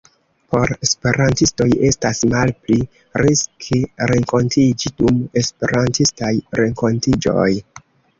Por Esperantistoj, estas malpli riske renkontiĝi dum Esperantistaj renkontiĝoj.